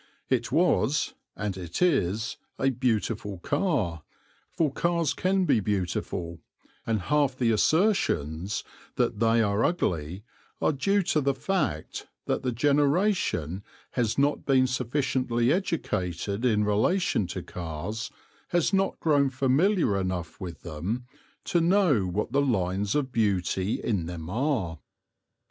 It was, and it is, a beautiful car for cars can be beautiful, and half the assertions that they are ugly are due to the fact that the generation has not been sufficiently educated in relation to cars, has not grown familiar enough with them, to know what the lines of beauty in them are.